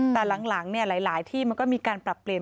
แต่หลังหลายที่มันก็มีการปรับเปลี่ยน